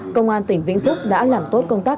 công an tỉnh vĩnh phúc đã làm tốt công tác